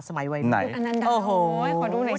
โอ้โหยขอดูหน่อยสิ